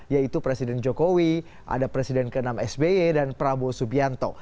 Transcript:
yaitu presiden jokowi ada presiden ke enam sby dan prabowo subianto